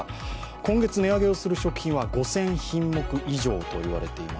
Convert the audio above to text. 今月値上げをする食品は５０００品目以上と言われています。